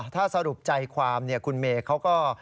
ถ้าสรุปใจความคุณเมย์เขาก็